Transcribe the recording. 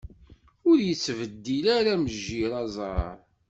Ur yettbeddil ara mejjir aẓar.